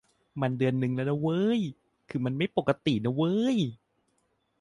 มันเดือนนึงแล้วนะเว้ย คือมันไม่ปกตินะเว้ย